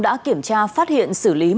đã kiểm tra phát hiện xử lý